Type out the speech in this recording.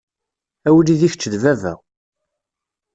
A wlidi kečč d baba.